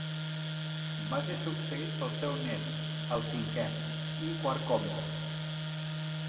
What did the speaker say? Va ser succeït pel seu nét, el cinquè i quart Comte.